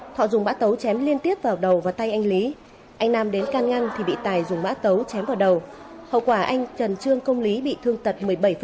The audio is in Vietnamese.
thọ dùng mã tấu chém liên tiếp vào đầu và tay anh lý anh nam đến can ngăn thì bị tài dùng mã tấu chém vào đầu hậu quả anh trần trương công lý bị thương tật một mươi bảy